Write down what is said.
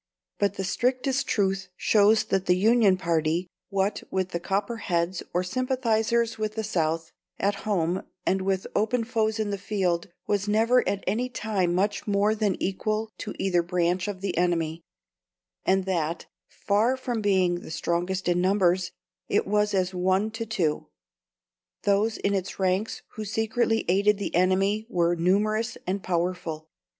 But the strictest truth shows that the Union party, what with the Copperheads, or sympathisers with the South, at home, and with open foes in the field, was never at any time much more than equal to either branch of the enemy, and that, far from being the strongest in numbers, it was as one to two. Those in its ranks who secretly aided the enemy were numerous and powerful.